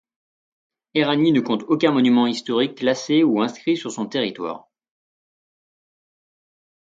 Éragny ne compte aucun monument historique classé ou inscrit sur son territoire.